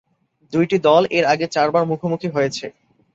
দুইটি দল এর আগে চারবার মুখোমুখি হয়েছে।